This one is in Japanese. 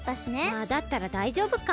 まあだったらだいじょうぶか。